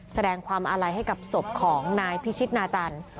แสดงความอาลัยให้กับศพของนายพิชิตนาจันทร์